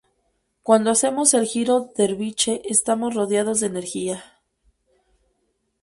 Cuando hacemos el Giro derviche estamos rodeados de energía.